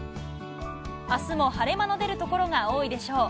あすも晴れ間の出る所が多いでしょう。